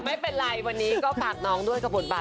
กับเพลงที่มีชื่อว่ากี่รอบก็ได้